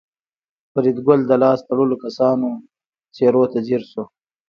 فریدګل د لاس تړلو کسانو څېرو ته ځیر شو